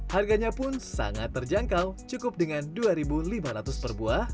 harganya pun sangat terjangkau cukup dengan rp dua lima ratus per buah